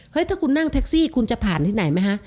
ถ้าคุณนั่งแท็กซี่คุณจะผ่านที่ไหนไหมคะ